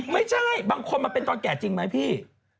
ไม่ใช่บางคนมันเป็นตอนแก่จริงไหมพี่